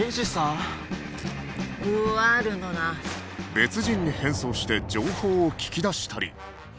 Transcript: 別人に変装して情報を聞き出したり